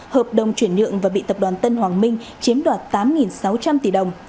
hợp đồng chuyển nhượng và bị tập đoàn tân hoàng minh chiếm đoạt tám sáu trăm linh tỷ đồng